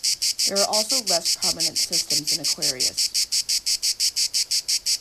There are also less-prominent systems in Aquarius.